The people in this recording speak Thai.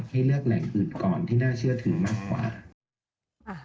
ให้เลือกแหล่งอื่นก่อนที่น่าเชื่อถือมากกว่า